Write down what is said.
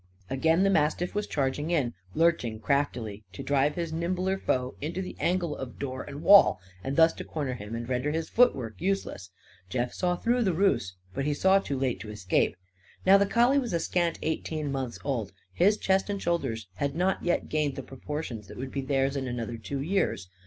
Again the mastiff was charging in; lurching craftily, to drive his nimbler foe into the angle of door and wall, and thus to corner him and render his footwork useless. Jeff saw through the ruse, but he saw too late to escape. Now, the collie was a scant eighteen months old. His chest and shoulders had not yet gained the proportions that would be theirs in another two years.